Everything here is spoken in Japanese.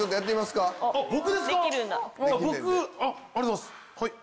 僕ありがとうございます。